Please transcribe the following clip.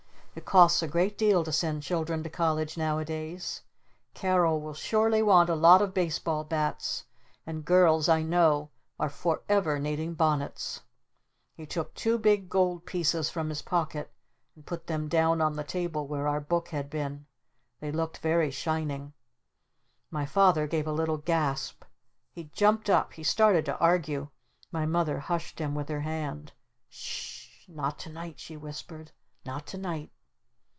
It costs a great deal to send children to college nowadays. Carol will surely want a lot of baseball bats. And girls I know are forever needing bonnets!" He took two Big Gold Pieces from his pocket and put them down on the table where our Book had been. They looked very shining. My Father gave a little gasp. He jumped up! He started to argue! My Mother hushed him with her hand. "S sh not to night!" she whispered. "Not to night!"